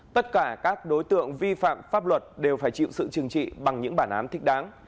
tất cả các đối tượng vi phạm pháp luật đều phải chịu sự chừng trị bằng những bản án thích đáng